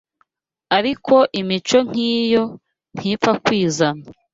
Ariko imico nk’iyo ntipfa kwizana